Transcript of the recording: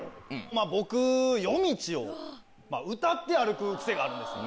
僕夜道を歌って歩く癖があるんです。